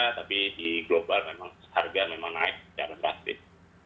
tapi di global memang harga memang naik secara drastis